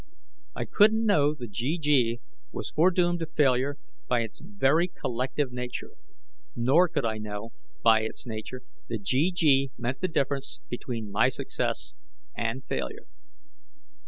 I couldn't know the GG was foredoomed to failure by its very collective nature; nor could I know, by its nature, the GG meant the difference between my success and failure.